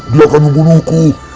dia akan membunuhku